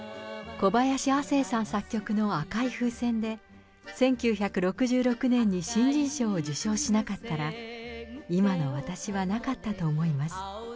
小林亜星さん作曲の赤い風船で、１９６６年に新人賞を受賞しなかったら、今の私はなかったと思います。